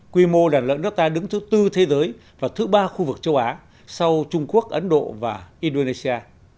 quy mô đàn lợn nước ta đứng thứ tư thế giới và thứ ba khu vực châu á sau trung quốc ấn độ và indonesia